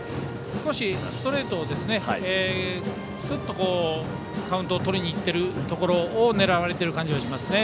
少しストレートですっとカウントをとりにいっているところを狙われている感じがしますね。